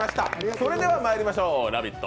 それではまいりましょう、「ラヴィット！」